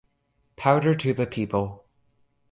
Powder to the people.